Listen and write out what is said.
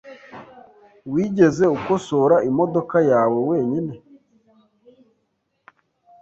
Wigeze ukosora imodoka yawe wenyine?